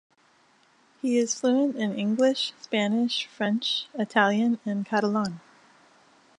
He is fluent in English, Spanish, French, Italian and Catalan.